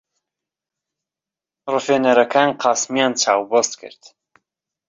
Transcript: ڕفێنەرەکان قاسمیان چاوبەست کرد.